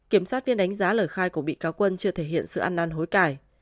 kiểm sát viên đánh giá lời khai của bị cáo quân chưa thể hiện sự ăn năn hối cải